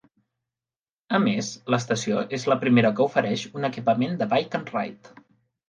A més, l'estació és la primera que ofereix un equipament de Bike and Ride.